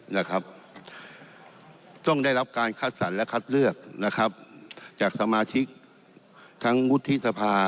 นะครับต้องได้รับการคัดสรรและคัดเลือกนะครับจากสมาชิกทั้งวุฒิสภา